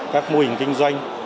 các mô hình kinh doanh